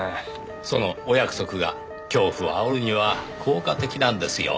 そのお約束が恐怖を煽るには効果的なんですよ。